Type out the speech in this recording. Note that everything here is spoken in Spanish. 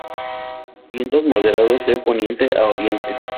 Vientos moderados de poniente a oriente.